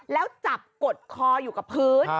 แล้วจับกดคออยู่กับพื้น